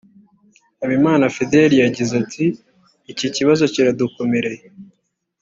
Habimana Fidèle yagize ati “Iki kibazo kiradukomereye